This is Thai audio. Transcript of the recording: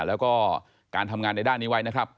แล้วก็การทำงานในด้านนี้ไว้นะครับ